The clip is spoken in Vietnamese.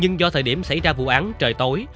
nhưng do thời điểm xảy ra vụ án trời tối